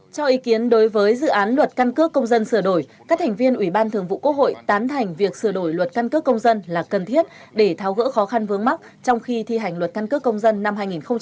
cho ý kiến đối với dự án luật căn cước công dân sửa đổi các thành viên ubqh tán thành việc sửa đổi luật căn cước công dân là cần thiết để tháo gỡ khó khăn vướng mắc trong khi thi hành luật căn cước công dân năm hai nghìn một mươi bốn